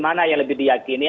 mana yang lebih diyakini